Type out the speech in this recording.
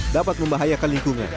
dapat membahayakan lingkungan